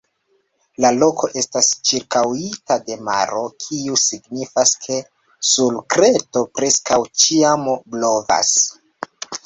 La loko estas ĉirkaŭita de maro kiu signifas, ke sur Kreto preskaŭ ĉiam blovas.